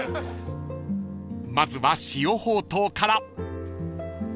［まずは塩ほうとうから］